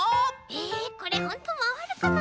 えこれほんとまわるかな？